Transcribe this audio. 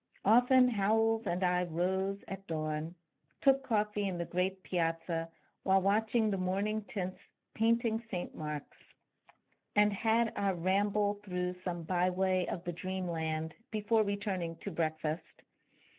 Often Howells and I rose at dawn, took coffee in the great Piazza while watching the morning tints painting St. Mark's, and had our ramble through some byway of the dreamland before returning to breakfast.